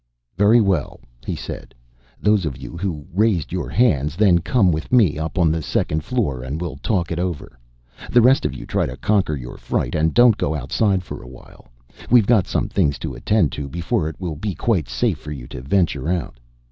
"Very well," he said. "Those of you who raised your hands then come with me up on the second floor and we'll talk it over. The rest of you try to conquer your fright, and don't go outside for a while. We've got some things to attend to before it will be quite safe for you to venture out.